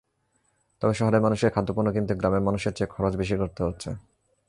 তবে শহরের মানুষকে খাদ্যপণ্য কিনতে গ্রামের মানুষের চেয়ে খরচ বেশি করতে হচ্ছে।